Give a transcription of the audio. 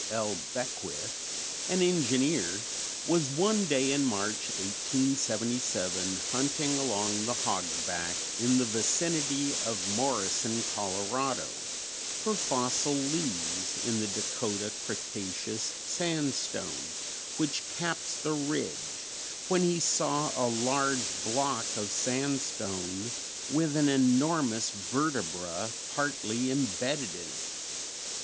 L. Beckwith, an engineer, was, one day in March, 1877, hunting along the "hogback" in the vicinity of Morrison, Colorado, for fossil leaves in the Dakota Cretaceous sandstone which caps the ridge, when he saw a large block of sandstone with an enormous vertebra partly imbedded in it.